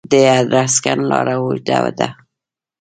د ادرسکن لاره اوږده ده